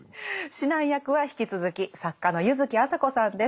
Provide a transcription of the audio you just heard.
指南役は引き続き作家の柚木麻子さんです。